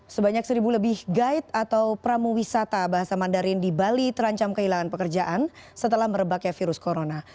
sebanyak seribu lebih guide atau pramu wisata bahasa mandarin di bali terancam kehilangan pekerjaan setelah merebaknya virus corona